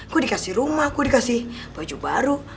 gue dikasih rumah gue dikasih baju baru